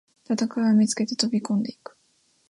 戦いを見つけて飛びこんでいく